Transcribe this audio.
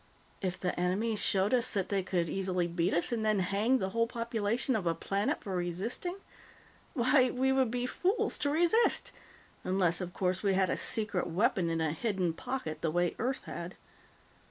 "If the enemy showed us that they could easily beat us and then hanged the whole population of a planet for resisting? Why, we would be fools to resist. Unless, of course, we had a secret weapon in a hidden pocket, the way Earth had."